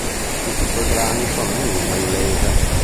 Tutti i suoi brani sono in lingua inglese.